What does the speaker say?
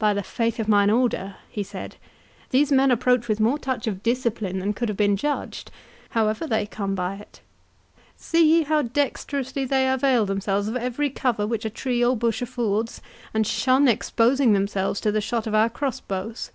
"By the faith of mine order," he said, "these men approach with more touch of discipline than could have been judged, however they come by it. See ye how dexterously they avail themselves of every cover which a tree or bush affords, and shun exposing themselves to the shot of our cross bows?